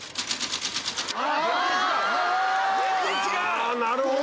ああなるほど！